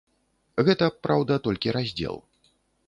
Гэта, праўда, толькі раздзел.